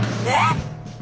えっ！